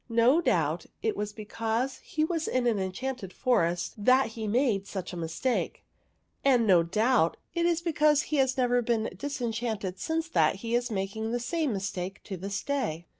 No doubt, it was because he was in an enchanted forest that he made such a mistake ; and no doubt, it is because he has never been disenchanted since that he is making the same mistake to this day.